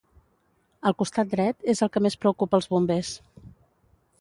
El costat dret és el que més preocupa els bombers.